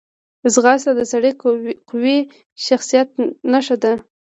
ځغاسته د سړي قوي شخصیت نښه ده